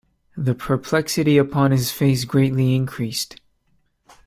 The perplexity upon his face greatly increased.